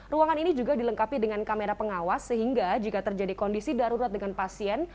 ruangan ini juga dilengkapi dengan kamera pengawas sehingga jika terjadi kondisi darurat dengan pasien